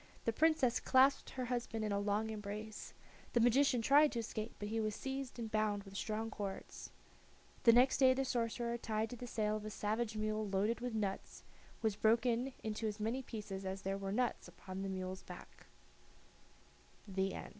The Princess clasped her husband in a long embrace. The magician tried to escape, but he was seized and bound with strong cords. The next day the sorcerer, tied to the tail of a savage mule loaded with nuts, was broken into as many pieces as there were nuts upon the mule's ba